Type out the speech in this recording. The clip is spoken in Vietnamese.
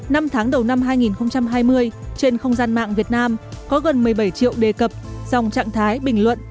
năm tháng đầu năm hai nghìn hai mươi trên không gian mạng việt nam có gần một mươi bảy triệu đề cập dòng trạng thái bình luận